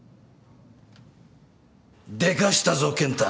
でかしたぞ健太。